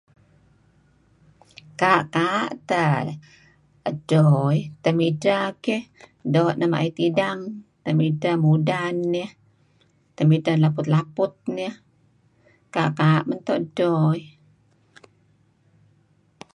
Kaa'-kaa' teh edto iih. Temidteh keyh doo' neh a'it idang. Temidteh mudan nieh, temidteh laput-laput nieh. Kaa'-kaa' meto' esto iih.